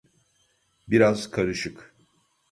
Biraz karışık.